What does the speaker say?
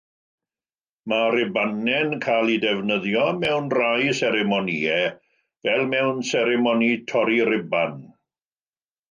Mae rhubanau'n cael eu defnyddio mewn rhai seremonïau, fel mewn seremoni torri rhuban.